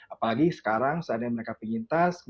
apalagi sekarang saatnya mereka pingin tas